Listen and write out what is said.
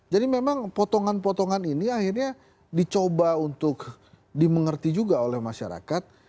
jadi memang potongan potongan ini akhirnya dicoba untuk dimengerti juga oleh masyarakat